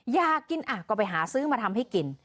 อยากกินก็ไปหาซื้อมาทำให้กิน